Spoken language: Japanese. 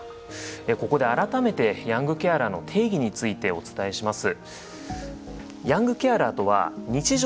ここで改めてヤングケアラーの定義についてお伝えします。